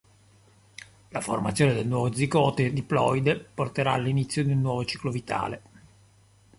La formazione del nuovo zigote diploide porterà all'inizio di un nuovo ciclo vitale.